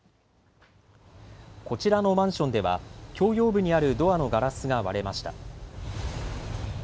こちらのマンションでは共用部にあるドアのガラスが割れました。